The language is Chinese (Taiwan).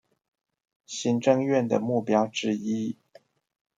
行政院的目標之一